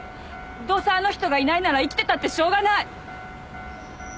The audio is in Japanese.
どうせあの人がいないなら生きてたってしょうがない。